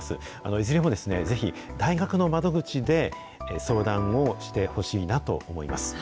いずれもぜひ、大学の窓口で相談をしてほしいなと思います。